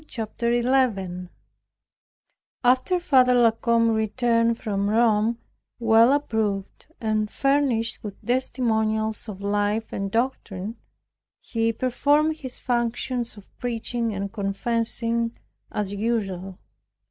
CHAPTER 11 After Father La Combe returned from Rome, well approved, and furnished with testimonials of life and doctrine, he performed his functions of preaching and confessing as usual.